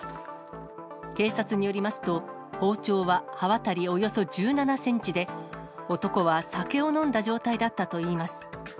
警察によりますと、包丁は刃渡りおよそ１７センチで、男は酒を飲んだ状態だったといいます。